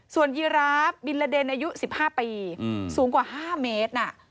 ส่วนยีราฟบิลลาเดนอายุ๑๕ปีสูงกว่า๕เมตร